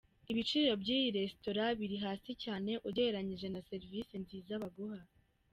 Ibiciro by'iyi Resitora, biri hasi cyane ugereranyije na serivisi nziza baguha.